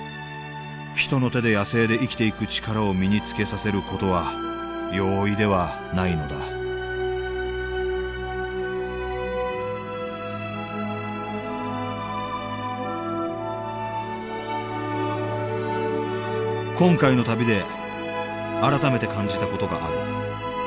人の手で野生で生きていく力を身につけさせる事は容易ではないのだ今回の旅で改めて感じた事がある。